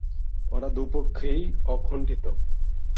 ওরা দুই পক্ষই অকুণ্ঠিত।